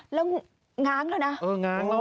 แล้วง้างแล้วนะ